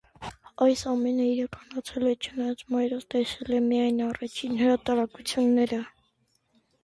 Այս ամենը իրականացել է, չնայած մայրը տեսել է միայն առաջին հրատարակությունները։